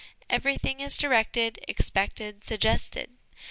Everything is directed, expected, suggested.